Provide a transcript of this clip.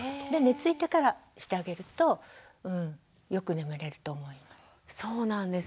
で寝ついてからしてあげるとよく眠れると思います。